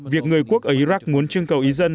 việc người quốc ở iraq muốn chương cầu ý dân